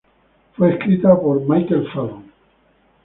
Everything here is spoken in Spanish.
Fue escrita por Michael Fallon.